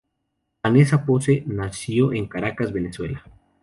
Vanessa Pose nació en Caracas, Venezuela.